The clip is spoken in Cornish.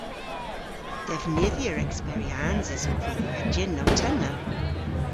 Devnydhyer eksperyansys ov vy a jynnow-tenna.